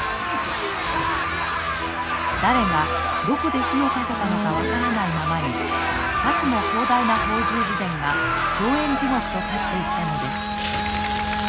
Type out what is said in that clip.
誰がどこで火をかけたのか分からないままにさしも広大な法住寺殿が硝煙地獄と化していったのです。